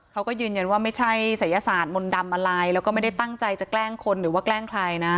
เขาก็ยืนยันว่าไม่ใช่ศัยศาสตร์มนต์ดำอะไรแล้วก็ไม่ได้ตั้งใจจะแกล้งคนหรือว่าแกล้งใครนะ